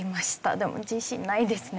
でも自信ないですね。